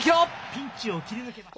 ピンチを切り抜けました。